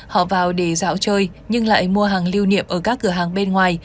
họ vào để dạo chơi nhưng lại mua hàng lưu niệm ở các cửa hàng bên ngoài